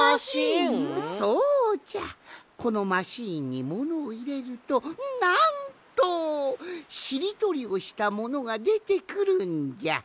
このマシーンにものをいれるとなんとしりとりをしたものがでてくるんじゃ。